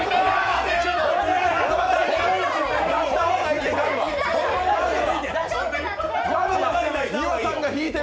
出した方がいいって！